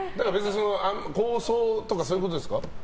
高層とかそういうことですか。